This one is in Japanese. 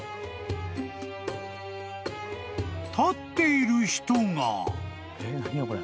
［立っている人が］